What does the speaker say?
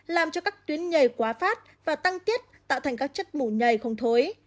làm cho các tuyến nhầy quá phát và tăng tiết tạo thành các chất mù nhầy không thối